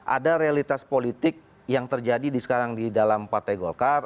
ada realitas politik yang terjadi sekarang di dalam partai golkar